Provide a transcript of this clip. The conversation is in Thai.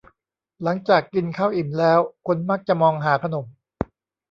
หลังจากกินข้าวอิ่มแล้ว คนมักจะมองหาขนม